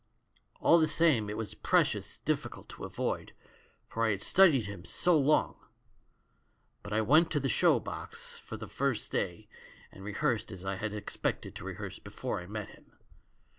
"All the same it was precious difficult to avoid, for I had studied him so long. But I went to the show box the first day and rehearsed as I had expected to rehearse before I met him.